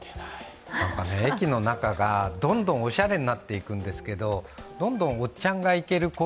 駅の中がどんどんおしゃれになっていくんですけどどんどんおっちゃんが行ける